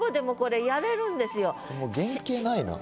もう原形ないな。